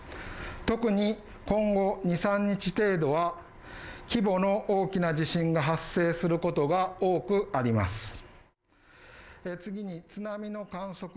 特に、今後二、三日程度は規模の大きな地震が発生することが多くあります。